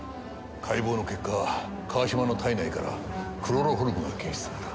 解剖の結果川島の体内からクロロホルムが検出された。